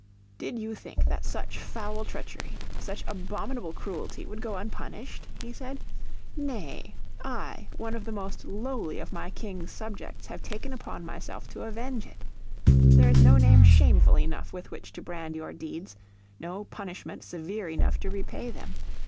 "Did you think that such foul treachery, such, abominable cruelty would go unpunished?" he said. "Nay, I, one of the most lowly of my King's subjects, have taken upon myself to avenge it. There is no name shameful enough with which to brand your deeds, no punishment severe enough to repay them.